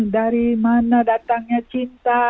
dari mana datangnya cinta